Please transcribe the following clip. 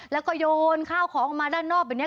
แล้วก็โยนข้าวของออกมาด้านนอกแบบนี้